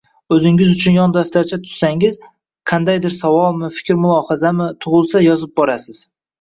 O‘zingiz uchun yon daftarcha tutsangiz, qandaydir savolmi, fikr-mulohazami tug‘ilsa, yozib borasiz.